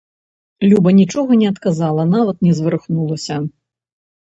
Люба нічога не адказала, нават не зварухнулася.